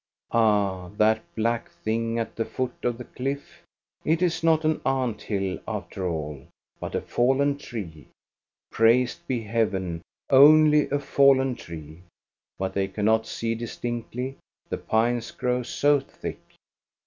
Ah, that black thing at the foot of the cliff, it is not an ant hill after all, but a fallen tree. Praised be Heaven, only a fallen tree! But they cannot see distinctly, the pines grow so thick.